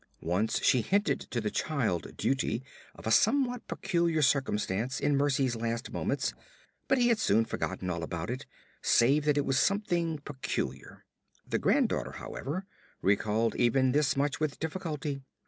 Once she hinted to the child Dutee of a somewhat peculiar circumstance in Mercy's last moments, but he had soon forgotten all about it save that it was something peculiar. The granddaughter, moreover, recalled even this much with difficulty.